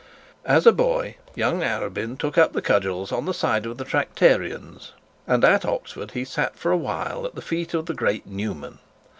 As a boy young Arabin took up the cudgels on the side of the Tractarians, and at Oxford he sat for a while at the feet of the great Newman.